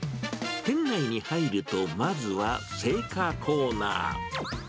店内に入ると、まずは青果コーナー。